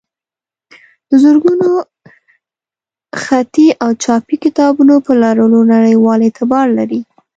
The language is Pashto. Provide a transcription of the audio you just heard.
د زرګونو خطي او چاپي کتابونو په لرلو نړیوال اعتبار لري.